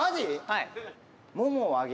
はい。